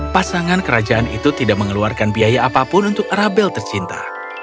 pasangan kerajaan itu tidak mengeluarkan biaya apapun untuk rabel tercinta